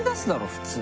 普通